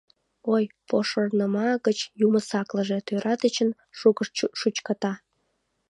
Ой, пошырныма гыч юмо саклыже: тӧра дечын шуко шучката.